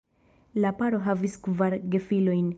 La paro havis kvar gefilojn.